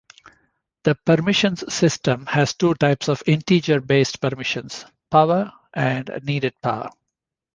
The permissions system has two types of integer-based permissions: Power and Needed Power.